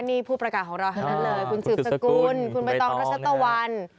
นี่ผู้ประกาศของเราทั้งนั้นเลยคุณสืบสกุลคุณใบตองรัชตะวัน